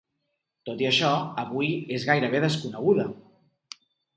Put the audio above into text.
Tot i això avui és gairebé desconeguda.